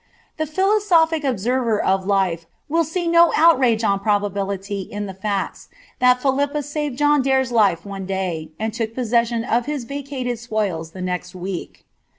he philoeophic observer of life will see no outrage on probability in the filets, that Philippa saved John Daire's life one day, and took posses Bon of his vacated spoils the next week.